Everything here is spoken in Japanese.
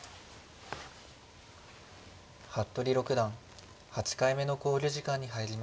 服部六段８回目の考慮時間に入りました。